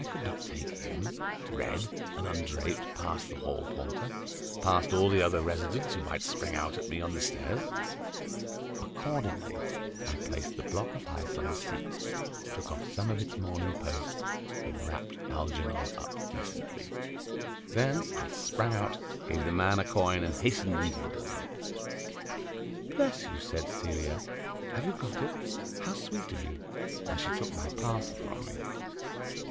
I could not take him, red and undraped, past the hall porter, past all the other residents who might spring out at me on the stairs. Accordingly, I placed the block of ice on the seat, took off some of its "Morning Post," and wrapped Algernon up decently. Then I sprang out, gave the man a coin, and hastened into the building. "Bless you," said Celia, "have you got it? How sweet of you!" And she took my parcel from me.